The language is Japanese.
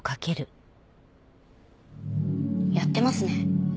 やってますね。